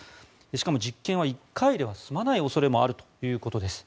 しかも、実権は１回では済まない恐れもあるということです。